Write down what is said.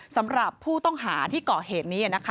สำหรับผู้ต้องหาที่เกาะเหตุนี้